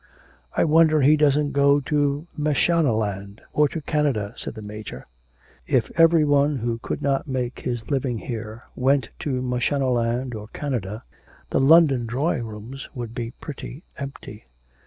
'I wonder he doesn't go to Mashonaland or to Canada?' said the Major. 'If every one who could not make his living here went to Mashonaland or Canada, the London drawing rooms would be pretty empty.'